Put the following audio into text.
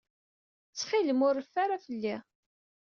Ttxil-m, ur reffu ara fell-i.